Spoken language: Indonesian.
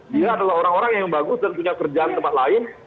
dia adalah orang orang yang bagus dan punya kerjaan di tempat lain